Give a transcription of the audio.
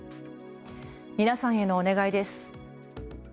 皆さんへのお願いです。